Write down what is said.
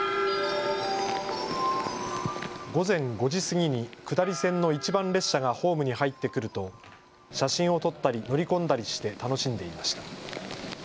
午前５時過ぎに下り線の一番列車がホームに入ってくると写真を撮ったり乗り込んだりして楽しんでいました。